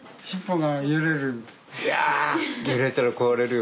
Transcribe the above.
いや揺れたら壊れるよ。